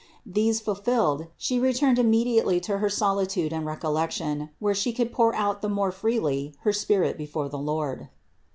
These fulfilled, She turned immediately to her solitude and recollection, where she could pour out the more freely her spirit before the Lord.